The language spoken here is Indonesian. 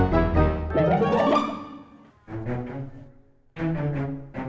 bisa dinding slept ya